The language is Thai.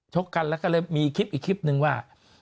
ชกกันแล้วก็เลยมีคลิปอีกคลิปนึงว่า